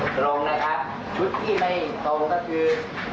ตรงนะครับชุดที่ไม่ตรงก็คือ